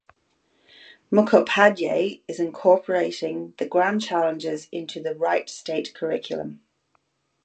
Mukhopadhyay is incorporating the Grand Challenges into the Wright State curriculum.